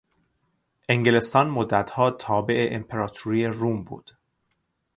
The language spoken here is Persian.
انگلستان مدتها تابع امپراطوری روم بود.